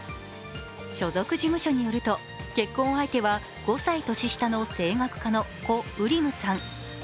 所属事務所によると、結婚相手は５歳年下の声楽家のコ・ウリムさん。